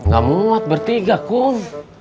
gak muat bertiga kum